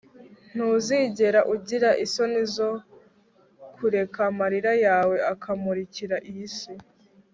ntuzigere ugira isoni zo kureka amarira yawe akamurikira iyi si